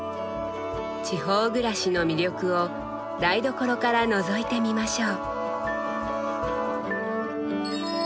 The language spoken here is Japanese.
地方暮らしの魅力を「台所」からのぞいてみましょう。